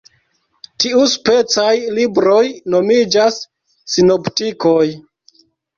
Tiuspecaj libroj nomiĝas sinoptikoj.